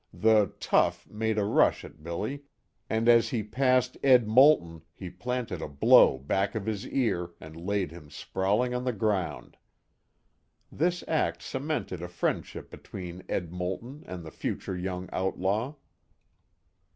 The "tough" made a rush at Billy, and as he passed Ed. Moulton he planted a blow back of his ear, and laid him sprawling on the ground. This act cemented a friendship between Ed. Moulton and the future young outlaw.